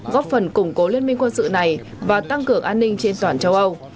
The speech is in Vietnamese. góp phần củng cố liên minh quân sự này và tăng cường an ninh trên toàn châu âu